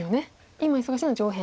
今忙しいのは上辺。